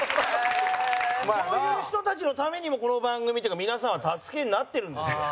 そういう人たちのためにもこの番組というか皆さんは助けになってるんですよ。